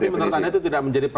tapi menurut anda itu tidak benar